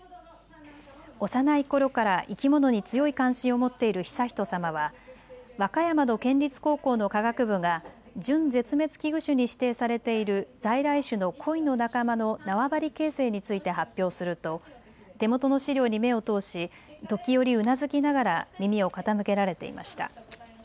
幼いころから生き物に強い関心を持っている悠仁さまは和歌山の県立高校の科学部が準絶滅危惧種に指定されている在来種のコイの仲間の縄張り形成について発表すると手元の資料に目を通し時折うなずきながら耳を傾けられていました。